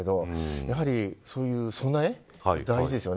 やはりそういう備え、大事ですよね。